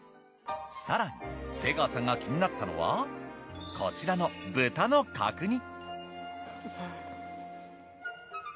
更に瀬川さんが気になったのはこちらの豚の角煮。